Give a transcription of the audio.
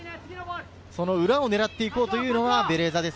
その裏を狙っていこうというのはベレーザです。